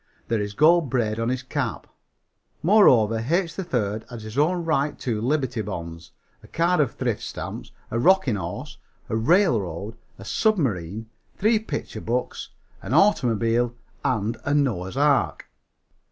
There is gold braid on his cap. Moreover, H. 3rd has in his own right two Liberty bonds, a card of thrift stamps, a rocking horse, a railroad, a submarine, three picture books, an automobile and a Noah's ark.